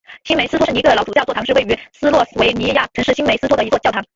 新梅斯托圣尼各老主教座堂是位于斯洛维尼亚城市新梅斯托的一座教堂。